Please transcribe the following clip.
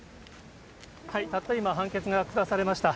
たった今、判決が下されました。